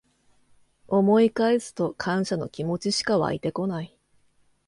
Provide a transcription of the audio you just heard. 思い返すと感謝の気持ちしかわいてこない